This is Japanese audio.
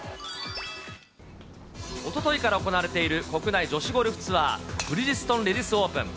おとといから行われている国内女子ゴルフツアー、ブリヂストンレディスオープン。